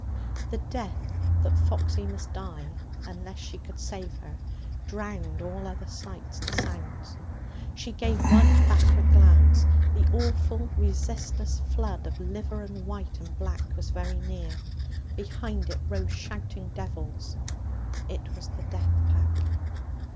The death that Foxy must die, unless she could save her, drowned all other sights and sounds. She gave one backward glance. The awful resistless flood of liver and white and black was very near. Behind it rose shouting devils. It was the death pack.